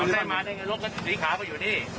มันแม่งมาได้ไงรถกับสีขาวก็อยู่นี่